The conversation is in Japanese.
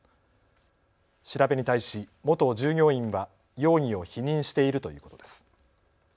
調べに対し元従業員は容疑を否認しているということです。